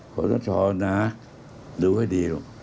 ขอสชนะดูให้ดีลูก